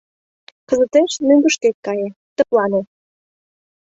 Кызытеш мӧҥгышкет кае... тыплане...